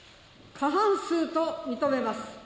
過半数と認めます。